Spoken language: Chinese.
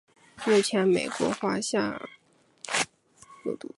目前美国华商总会属下有超过一百多个团体。